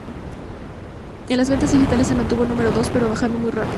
En las ventas digitales se mantuvo número dos, pero bajando muy rápido.